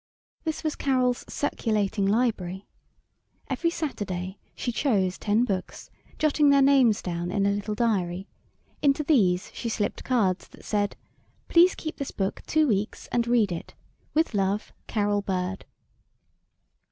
This was Carol's "Circulating Library." Every Saturday she chose ten books, jotting their names down in a little diary; into these she slipped cards that said: "Please keep this book two weeks and read it. With love, Carol Bird."